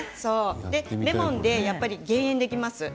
レモンで減塩できます。